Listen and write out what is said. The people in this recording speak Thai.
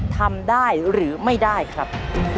ทำได้หรือไม่ได้ครับ